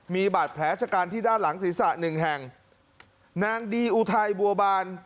มีบาดแผลชะกันที่ด้านหลังศีรษะหนึ่งแห่งนางดีอุทัยบัวบาน